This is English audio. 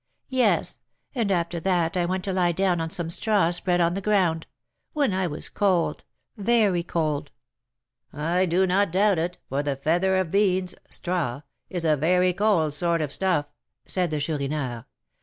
"Yes. And after that I went to lie down on some straw spread on the ground; when I was cold very cold." "I do not doubt it, for the feather of beans (straw) is a very cold sort of stuff," said the Chourineur.